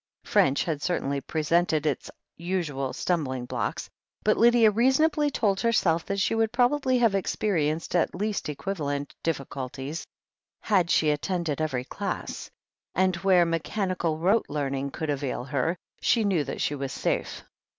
French had certainly presented its usual stumbling blocks, but Lydia reasonably told herself that she would probably have experienced at least equivalent difficulties, had she attended every class, and where mechanical rote learning could avail her, she knew that she was safe.